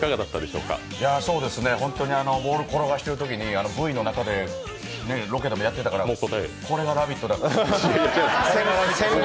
ボールを転がしているときにＶの中でロケでもやってたから、これが「ラヴィット！」かと思って。